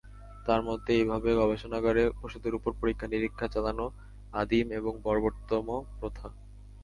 তাঁর মতে, এভাবে গবেষণাগারে পশুদের ওপর পরীক্ষা-নিরীক্ষা চালানো আদিম এবং বর্বরতম প্রথা।